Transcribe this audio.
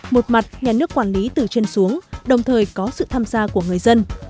một mặt nhà nước quản lý từ trên xuống đồng thời có sự tham gia của người dân